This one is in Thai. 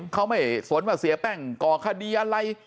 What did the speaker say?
เขาไม่สนว่าเสียแป้งก่อคดีอะไร